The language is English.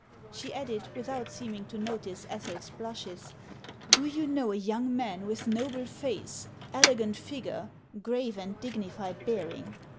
She added, without seeming to notice Ethel's blushes :" Do you know a young man with noble face, elegant figure, grave and dignified bearing